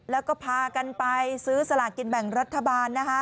แล้วก็พากันไปซื้อสลากินแบ่งรัฐบาลนะคะ